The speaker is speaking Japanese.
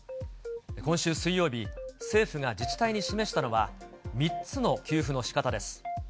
今週水曜日、政府が自治体に示したのは、３つの給付のしかたです。